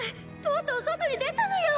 とうとう外に出たのよ！」